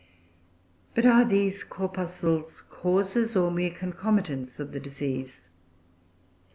But are these corpuscles causes, or mere concomitants, of the disease?